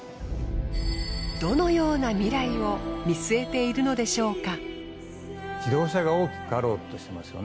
どのような未来を見据えているのでしょうか？